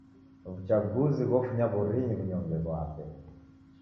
W'uchaguzi ghofunya w'orinyi w'unyonge ghwape.